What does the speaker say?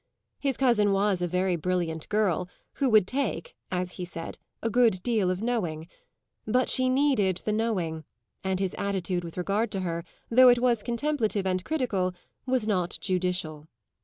His cousin was a very brilliant girl, who would take, as he said, a good deal of knowing; but she needed the knowing, and his attitude with regard to her, though it was contemplative and critical, was not judicial.